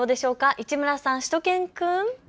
市村さん、しゅと犬くん。